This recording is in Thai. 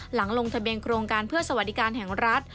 หลังลงทะเบียนโครงการเพื่อสวัสดิการแห่งรัฐ